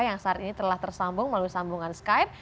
yang saat ini telah tersambung melalui sambungan skype